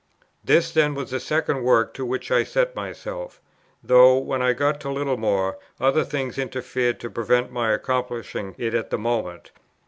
This then was the second work to which I set myself; though when I got to Littlemore, other things interfered to prevent my accomplishing it at the moment.